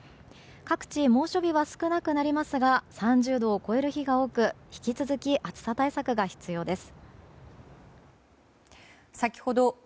各地、猛暑日は少なくなりますが３０度を超える日が多く引き続き暑さ対策が必要です。